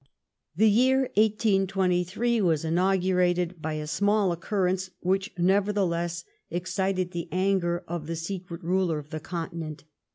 The year 1823 was inaugurated by a small occurrence which, nevertheless, excited the anger of the secret ruler of the Continent.